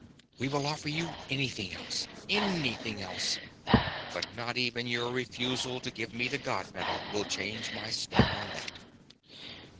We will offer you anything else anything else but not even your refusal to give me the god metal will change my stand on that."